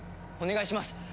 お願いします。